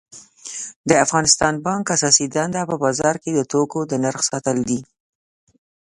د افغانستان بانک اساسی دنده په بازار کی د توکو د نرخ ساتل دي